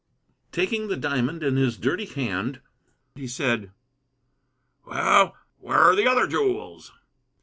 Taking the diamond in his dirty hand he said: "Well, where are the other jewels?"